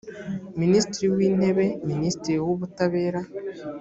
minisitiri w intebe minisitiri w ubutabera